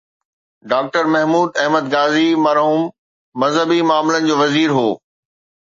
Doctor Mahmood Ahmed Ghazi مرحوم مذهبي معاملن جو وزير هو.